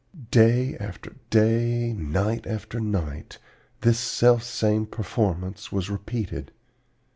"Day after day, night after night, this selfsame performance was repeated.